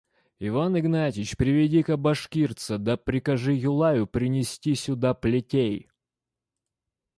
Иван Игнатьич, приведи-ка башкирца да прикажи Юлаю принести сюда плетей.